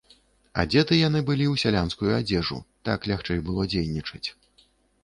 Адзеты яны былі ў сялянскую адзежу, так лягчэй было дзейнічаць.